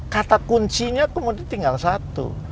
kata kuncinya kemudian tinggal satu